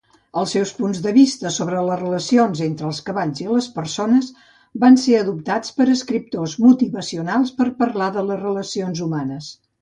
Els seus punts de vista sobre les relacions entre els cavalls i les persones van ser adoptats per escriptors motivacionals per parlar de les relacions humanes.